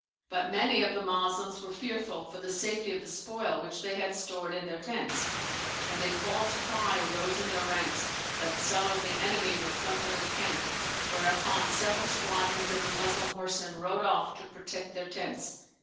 But many of the Moslems were fearful for the safety of the spoil which they had stored in their tents, and a false cry arose in their ranks that some of the enemy were plundering the camp; whereupon several squadrons of the Moslem horseman rode off to protect their tents.